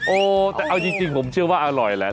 โอ้แต่เอาจริงผมเชื่อว่าอร่อยแหละ